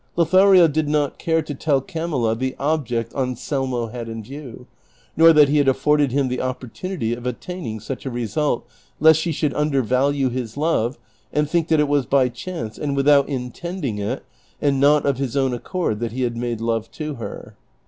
Lothario did not care to tell Camilla the object Anselmo had in view, nor that he had afforded him the opportunity of attaining such a result, lest she should undervalue his love and think that it Avas by chance and without intending it and not of his own accord that he had made love to her.